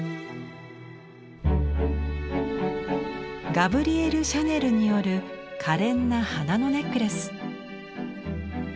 ガブリエル・シャネルによる可憐な花のネックレス。